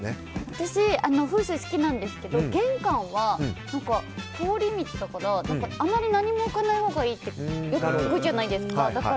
私、風水好きなんですけど玄関は通り道だからあまり何も置かないほうがいいってよく聞くじゃないですか。